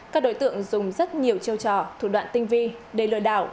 các đối tượng dùng rất nhiều chiêu trò thủ đoạn tinh vi để lừa đảo